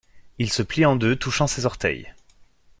Il se plie en deux, touchant ses orteils.